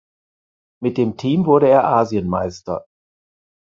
Mit dem Team wurde er Asienmeister.